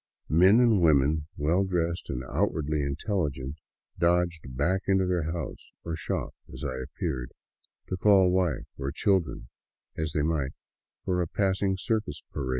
Men and women, well dressed and outwardly intelligent, dodged back into their house or shop as I appeared, to call wife or children as they might for a passing circus parade.